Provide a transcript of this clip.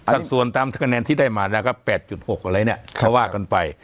สัดส่วนตามคะแนนที่ได้มานะครับแปดจุดหกอะไรเนี่ยเขาว่ากันไป